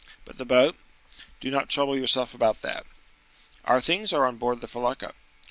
"But the boat?" "Do not trouble yourself about that." "Our things are on board the felucca."